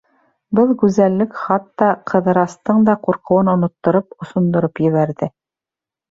Был гүзәллек хатта Ҡыҙырастың да ҡурҡыуын оноттороп, осондороп ебәрҙе.